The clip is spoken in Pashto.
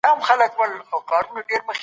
لاسونو او سترګو همغږي زیاتوي.